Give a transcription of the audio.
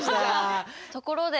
ところで。